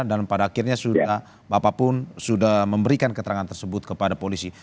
dan pada akhirnya sudah bapak pun sudah memberikan keterangan tersebut kepada polisi